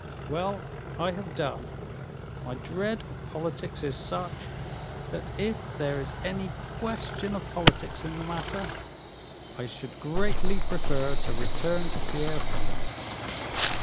"Well, I have done. My dread of politics is such, that if there is any question of politics in the matter, I should greatly prefer to return to Pierrefonds."